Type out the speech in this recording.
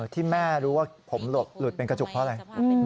ที่แม่รู้ว่าผมหลบหลุดเป็นกระจุกเพราะอะไร